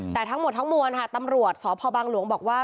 แต่ทั้งหมดทั้งมวลค่ะตำรวจสพบังหลวงบอกว่า